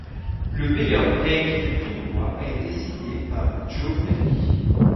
Le meilleur break du tournoi a été signé par Joe Perry.